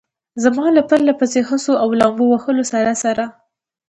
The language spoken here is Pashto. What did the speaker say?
زما له پرله پسې هڅو او لامبو وهلو سره سره.